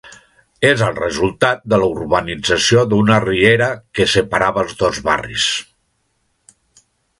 És el resultat de la urbanització d'una riera que separava els dos barris.